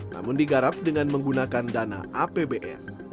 namun digarap dengan menggunakan dana apbn